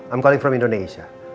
aku menelepon dari indonesia